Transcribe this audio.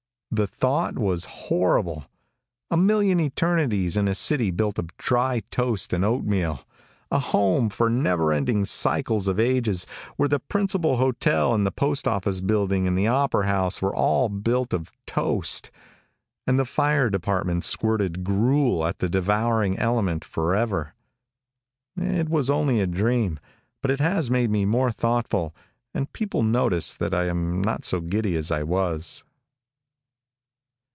The thought was horrible! A million eternities in a city built of dry toast and oat meal! A home for never ending cycles of ages, where the principal hotel and the post office building and the opera house were all built of toast, and the fire department squirted gruel at the devouring element forever! It was only a dream, but it has made me more thoughtful, and people notice that I am not so giddy as I was.